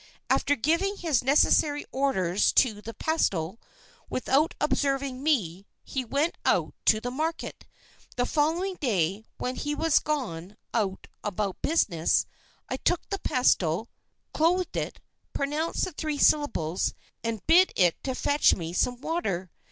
After giving his necessary orders to the pestle without observing me, he went out to the market. The following day, when he was gone out about business, I took the pestle, clothed it, pronounced the three syllables, and bid it fetch me some water.